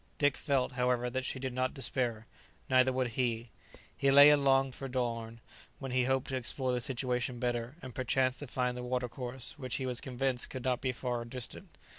Dick felt, however, that she did not despair; neither would he. He lay and longed for the dawn, when he hoped to explore the situation better, and perchance to find the watercourse which he was convinced could not be far distant.